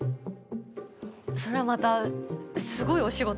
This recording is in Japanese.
それまたすごいお仕事ですね。